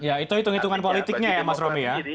ya itu hitung hitungan politiknya ya mas romi ya